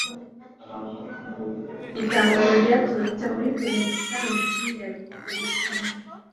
Itangazo ryaturutse muri Perezidansi ya Repubulika